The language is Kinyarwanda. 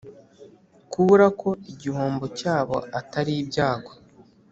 kubura ko igihombo cyabo atari ibyago,